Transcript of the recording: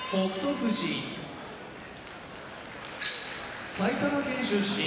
富士埼玉県出身